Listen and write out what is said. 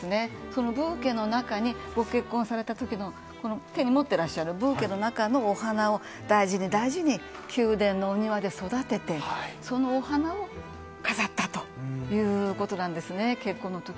そのブーケの中にご結婚された時の手に持ってらっしゃるブーケの中のお花を大事に大事に宮殿のお庭で育ててそのお花を飾ったということなんですね。